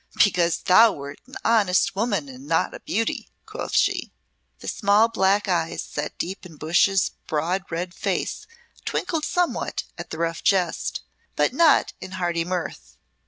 "Because thou wert an honest woman and not a beauty," quoth she. The small black eyes set deep in Bush's broad red face twinkled somewhat at the rough jest, but not in hearty mirth.